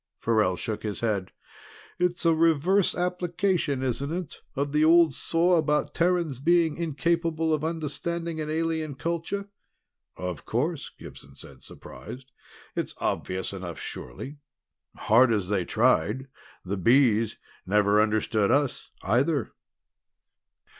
Farrell shook his head. "It's a reverse application, isn't it of the old saw about Terrans being incapable of understanding an alien culture?" "Of course," said Gibson, surprised. "It's obvious enough, surely hard as they tried, the Bees never understood us either."